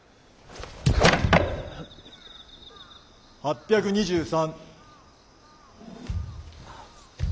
８２３。